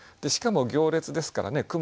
しかも行列ですからね